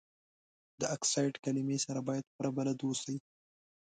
د اکسایډ کلمې سره باید پوره بلد اوسئ.